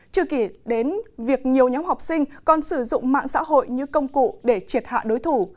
chưa kể đến việc nhiều nhóm học sinh còn sử dụng mạng xã hội như công cụ để triệt hạ đối thủ